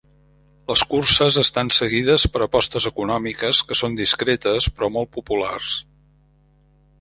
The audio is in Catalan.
Les curses estan seguides per apostes econòmiques que són discretes però molt populars.